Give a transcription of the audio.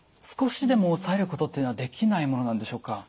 少しでも抑えることっていうのはできないものなんでしょうか？